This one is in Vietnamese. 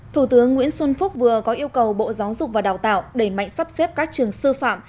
thủ tướng nguyễn xuân phúc vừa có yêu cầu bộ giáo dục và đào tạo đẩy mạnh sắp xếp các trường sư phạm